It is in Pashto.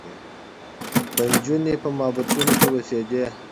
به نجونې په معبدونو کې اوسېدې